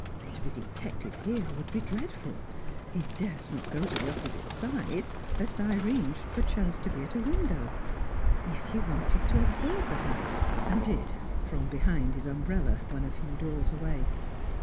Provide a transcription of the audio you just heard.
To be detected here would be dreadful; he durst not go to the opposite side, lest Irene should perchance be at a window; yet he wanted to observe the house, and did, from behind his umbrella, when a few doors away.